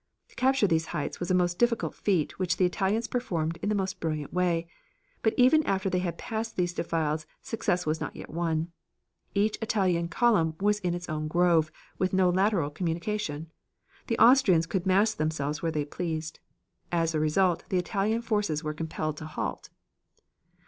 To capture these heights was a most difficult feat, which the Italians performed in the most brilliant way; but even after they had passed these defiles success was not yet won. Each Italian column was in its own grove, with no lateral communication. The Austrians could mass themselves where they pleased. As a result the Italian forces were compelled to halt.